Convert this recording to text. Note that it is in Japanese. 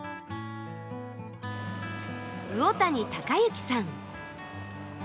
魚谷孝之さん。